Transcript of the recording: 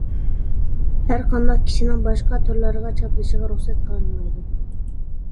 ھەرقانداق كىشىنىڭ باشقا تورلارغا چاپلىشىغا رۇخسەت قىلىنمايدۇ.